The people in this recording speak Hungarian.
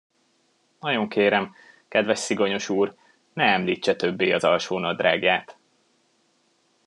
Nagyon kérem, kedves Szigonyos úr, ne említse többé az alsónadrágját!